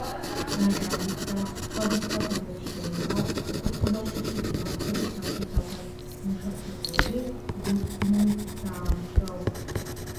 გარდა ამისა სხვადასხვა დროს შენობა ეკუთვნოდა ქუჩის ბავშვების თავშესაფარს, მუშათა კლუბი, ლურსმნის საამქრო.